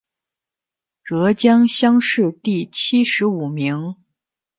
浙江乡试第七十五名。